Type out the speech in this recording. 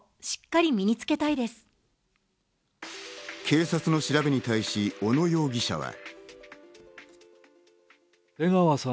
警察の調べに対し小野容疑者は。